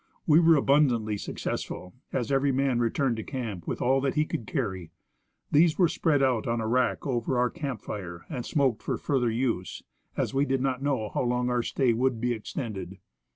We were abundantly successful, as every man returned to camp with all that he could carry. These were spread out on a rack over our camp fire and smoked for further use, as we did not know how long our stay would be extended.